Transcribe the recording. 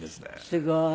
すごーい。